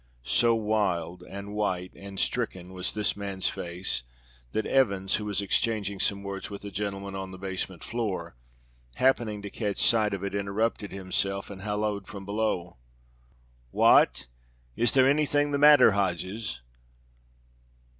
So wild and white and stricken was this man's face that Evans, who was exchanging some words with a gentleman on the basement floor, happening to catch sight of it, interrupted himself and hallooed from below, "What, is there anything the matter, Hodges?"